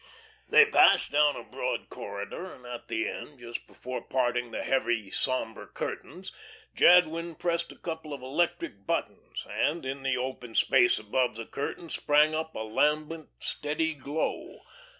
They passed down a broad corridor, and at the end, just before parting the heavy, sombre curtains, Jadwin pressed a couple of electric buttons, and in the open space above the curtain sprang up a lambent, steady glow.